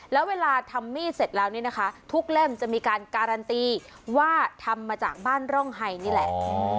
แล้วเวลาทำมีดเสร็จแล้วนี่นะคะทุกเล่มจะมีการการันตีว่าทำมาจากบ้านร่องไฮนี่แหละ